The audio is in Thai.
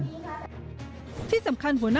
ก็พูดเสียงดังฐานชินวัฒน์